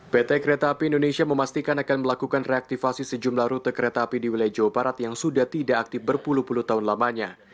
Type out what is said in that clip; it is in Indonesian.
pt kereta api indonesia memastikan akan melakukan reaktivasi sejumlah rute kereta api di wilayah jawa barat yang sudah tidak aktif berpuluh puluh tahun lamanya